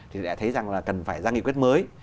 thì đã thấy rằng là cần phải ra nghị quyết mới